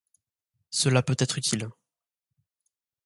Cela peut être utile.